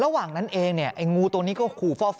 ระหว่างนั้นเองเนี่ยไอ้งูตัวนี้ก็ขู่ฟ่อ